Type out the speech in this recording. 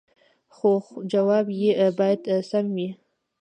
خو جواب يې باید سم وي